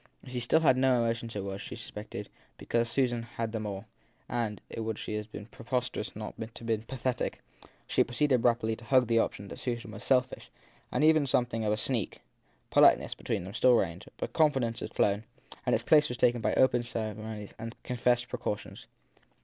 If she had no emotions it was, she suspected, because Susan had them all j and it would have been preposterous had it not been pathetic she pro ceeded rapidly to hug the opinion that Susan was selfish and even something of a sneak. Politeness, between them, still reigned, but confidence had flown, and its place was taken by open ceremonies and confessed precautions.